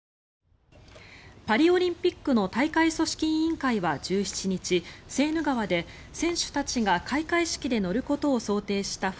パリオリンピックの大会組織委員会は１７日セーヌ川で選手たちが開会式で乗ることを想定した船